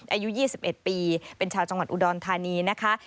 อายุ๒๑ปีเป็นชาวจังหวัดอุดรธานีนะคะ